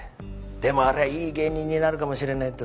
でもあれはいい芸人になるかもしれないってさ。